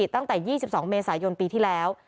ตั้งแต่๒๒เมษายนปีที่แล้ว